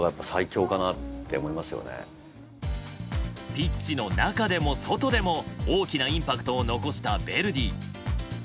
ピッチの中でも外でも大きなインパクトを残したヴェルディ。